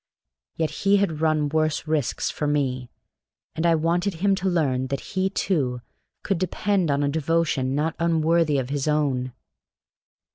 Yet he had run worse risks for me, and I wanted him to learn that he, too, could depend on a devotion not unworthy of his own.